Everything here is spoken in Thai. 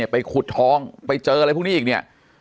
ไปขุดทองไปเจออะไรพวกนี้อีกเนี่ย